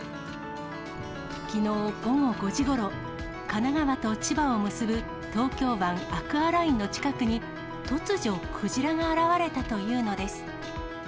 きのう午後５時ごろ、神奈川と千葉を結ぶ東京湾アクアラインの近くに、突如クジラが現れたというのです。